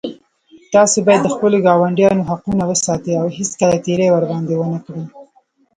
تاسو باید د خپلو ګاونډیانو حقونه وساتئ او هېڅکله تېری ورباندې ونه کړئ